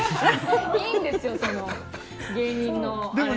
いいんですよ、芸人のあれは。